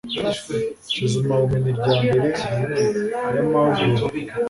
isuzumabumenyi rya mbere y amahugurwa